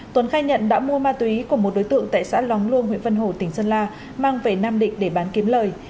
tuấn khai nhận đã mua ma túy của một đối tượng tại xã lóng luông huyện vân hồ tỉnh sơn la mang về nam định để bán kiếm lời